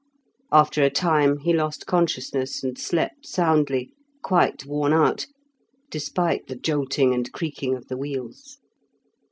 After a time he lost consciousness, and slept soundly, quite worn out, despite the jolting and creaking of the wheels.